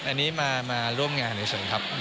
อันนี้มาร่วมงานเฉยครับ